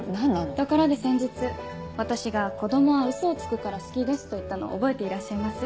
ところで先日私が子供はウソをつくから好きですと言ったのを覚えていらっしゃいます？